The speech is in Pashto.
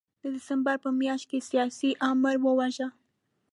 د ډسمبر په میاشت کې سیاسي آمر وواژه.